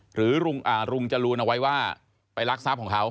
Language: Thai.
หรือลุงจรูนเอาไว้ว่าไปรักทรัพย์ของเขา